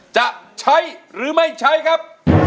จะใช้หรือไม่ใช้ครับ